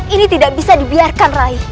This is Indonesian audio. ini tidak bisa dibiarkan rai